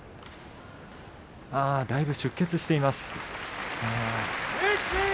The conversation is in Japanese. だいぶ出血しています。